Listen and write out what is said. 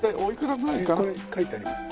ここに書いてあります。